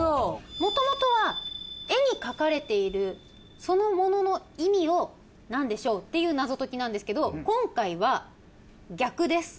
もともとは絵に描かれているそのものの意味をなんでしょう？っていう謎解きなんですけど今回は逆です。